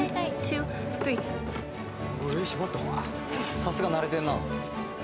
さすが慣れてるな。